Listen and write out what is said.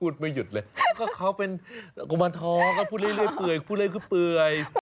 พูดไม่หยุดเลยเขาก็เป็นกุมาทท้อพูดเรื่อยเปลือย